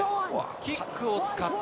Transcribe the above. キックを使った。